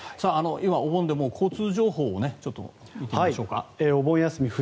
今、お盆で交通情報を見てみましょうか。